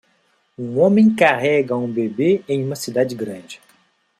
Um homem carrega um bebê em uma cidade grande.